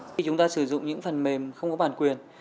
khi chúng ta sử dụng những phần mềm không có bản quyền